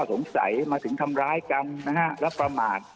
สมใสมาถึงธรรมร้ายกรรมและประมาท